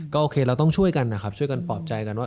โอเคเราต้องช่วยกันนะครับช่วยกันปลอบใจกันว่า